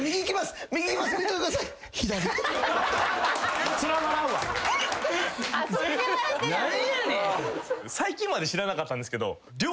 最近まで知らなかったんですけど。